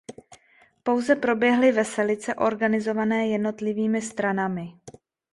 Pouze proběhly veselice organizované jednotlivými stranami.